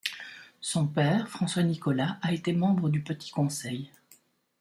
Son père, François Nicolas a été membre du Petit Conseil.